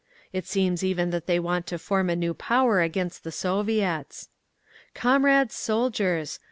It seems even that they want to form a new power against the Soviets. "Comrades soldiers!